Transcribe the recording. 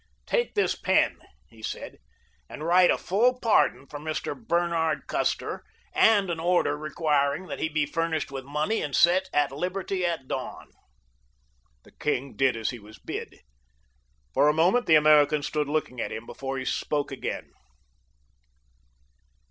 "Take that pen," he said, "and write a full pardon for Mr. Bernard Custer, and an order requiring that he be furnished with money and set at liberty at dawn." The king did as he was bid. For a moment the American stood looking at him before he spoke again.